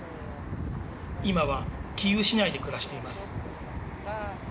今はキーウ市内で暮らしています。